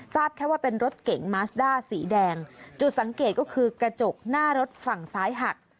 ทราบแค่ว่าเป็นรถเก๋งมาสด้าสีแดงจุดสังเกตก็คือกระจกหน้ารถฝั่งซ้ายหัก